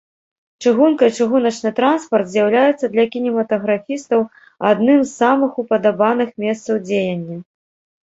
Чыгунка і чыгуначны транспарт з'яўляюцца для кінематаграфістаў адным з самых упадабаных месцаў дзеяння.